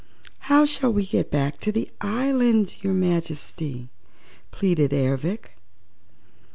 "How shall we get back to the island, your Majesty?" pleaded Ervic.